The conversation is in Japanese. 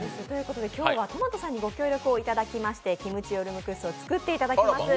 今日はトマトさんにご協力をいただきましてキムチヨルムクッスを作っていただきます。